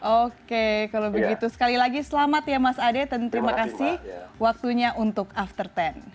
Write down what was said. oke kalau begitu sekali lagi selamat ya mas ade dan terima kasih waktunya untuk after sepuluh